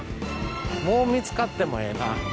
もう見つかってもええな。